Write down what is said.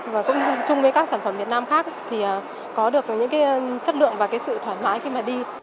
và cũng chung với các sản phẩm việt nam khác thì có được những cái chất lượng và cái sự thoải mái khi mà đi